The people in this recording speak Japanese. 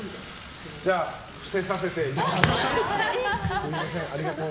じゃあ伏せさせていただきます。